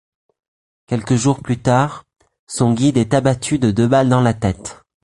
Quelques jours plus tard, son guide est abattu de deux balles dans la tête.